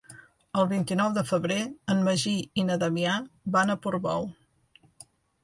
El vint-i-nou de febrer en Magí i na Damià van a Portbou.